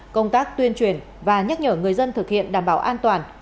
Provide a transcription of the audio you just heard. công tác tuyên truyền và nhắc nhở người dân thực hiện đảm bảo an toàn